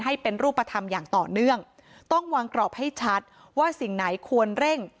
ให้เป็นรูปธรรมอย่างต่อเนื่องต้องวางกรอบให้ชัดว่าสิ่งไหนควรเร่ง